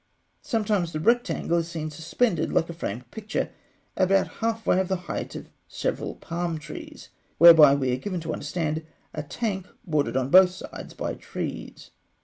Sometimes the rectangle is seen suspended like a framed picture, at about half way of the height of several palm trees (fig. 174); whereby we are given to understand a tank bordered on both sides by trees.